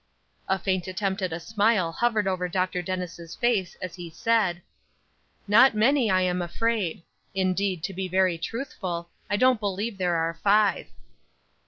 A faint attempt at a smile hovered over Dr. Dennis' face as he said: "Not many I am afraid. Indeed, to be very truthful, I don't believe there are five."